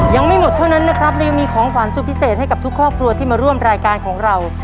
ยังไม่หมดเท่านั้นนะครับเรายังมีของขวัญสุดพิเศษให้กับทุกครอบครัวที่มาร่วมรายการของเรา